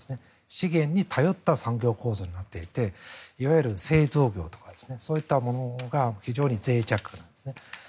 資源に頼った産業構造になっていていわゆる製造業とかそういったものが非常にぜい弱なんですね。